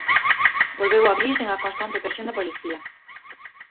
Volveu abrir sen a constante presión da policía.